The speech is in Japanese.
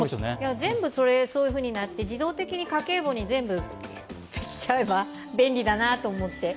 全部そういうふうになって自動的に家計簿に全部いっちゃえば便利だなと思って。